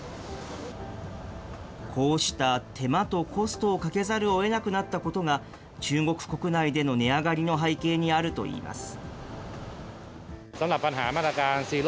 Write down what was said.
こうした手間とコストをかけざるをえなくなったことが、中国国内での値上がりの背景にあるといいます。